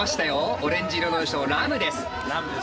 オレンジ色の衣装ＲＡＭです。